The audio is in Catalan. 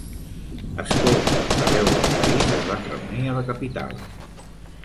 Escoltes d'arreu del país es van reunir a la capital.